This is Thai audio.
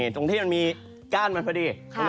ตรงมีก้านพอดี